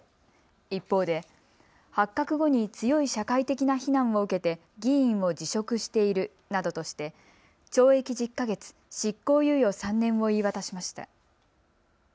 一方で発覚後に強い社会的な非難を受けて議員を辞職しているなどとして懲役１０か月、執行猶予３年を言い渡しました。